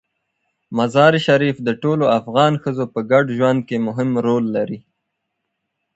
مزارشریف د ټولو افغان ښځو په ژوند کې مهم رول لري.